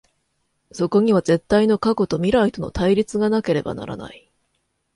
そこには絶対の過去と未来との対立がなければならない。